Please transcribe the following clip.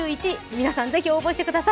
皆さん、ぜひ応募してください。